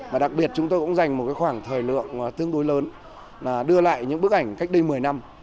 và đặc biệt chúng tôi cũng dành một khoảng thời lượng tương đối lớn là đưa lại những bức ảnh cách đây một mươi năm